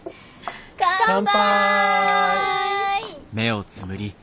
乾杯！